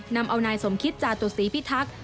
นำเอานายสมคิตจาตุศีพิทักษ์